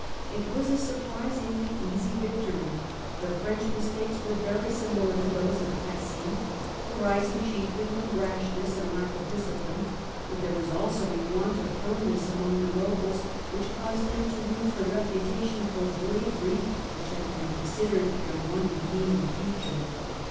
It was a surprisingly easy victory ; the French mistakes were very similar to those of Cregy, arising chiefly from rashness and lack of discipline, but there was also a want of firmness among the nobles, which caused them to lose the reputation for bravery which had been considered their one redeeming feature.